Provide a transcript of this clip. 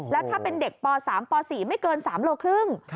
และถ้าเป็นเด็กปสามปสี่ไม่เกิน๓โลครึ่ง